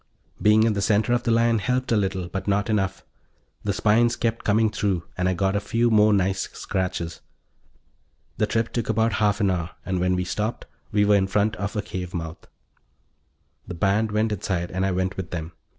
Being in the center of the line helped a little but not enough; the spines kept coming through and I got a few more nice scratches. The trip took about half an hour, and when we stopped we were in front of a cave mouth. The band went inside and I went with them.